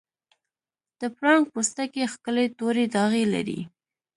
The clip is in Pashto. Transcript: د پړانګ پوستکی ښکلي تورې داغې لري.